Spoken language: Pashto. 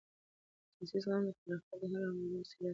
سیاسي زغم د اختلافاتو د حل او همغږۍ وسیله ده